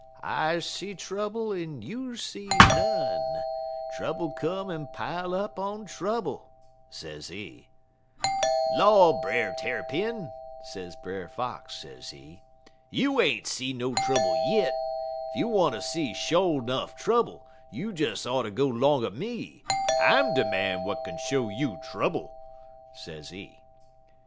'I see trouble en you see none; trouble come en pile up on trouble,' sezee. "'Law, Brer Tarrypin!' sez Brer Fox, sezee, 'you ain't see no trouble yit. Ef you wanter see sho' 'nuff trouble, you des oughter go 'longer me; I'm de man w'at kin show you trouble,' sezee.